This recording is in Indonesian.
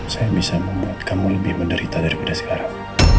saya bisa membuat kamu lebih menderita daripada sekarang